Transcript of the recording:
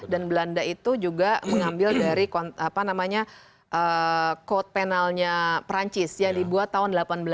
dan belanda itu juga mengambil dari kode penalnya perancis yang dibuat tahun seribu delapan ratus satu